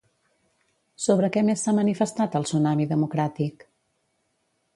Sobre què més s'ha manifestat el Tsunami Democràtic?